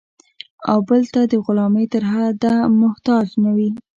او بل ته د غلامۍ تر حده محتاج نه وي.